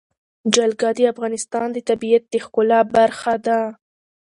جلګه د افغانستان د طبیعت د ښکلا برخه ده.